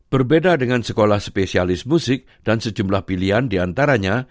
berbeda dengan sekolah spesialis musik dan sejumlah pilihan di antaranya